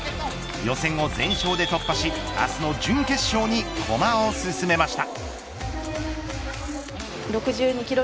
予選を全勝で突破し明日の準決勝に駒を進めました